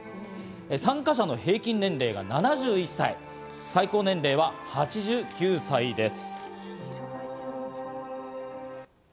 参加者の平均年齢が７１歳、最高年齢は８９歳です。